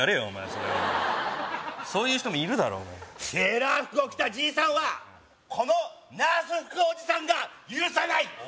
お前それはそういう人もいるだろセーラー服を着たじいさんはこのナース服おじさんが許さない！